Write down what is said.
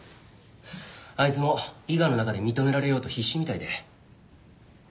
あいつも伊賀の中で認められようと必死みたいで。